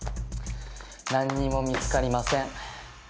何にも見つかりません。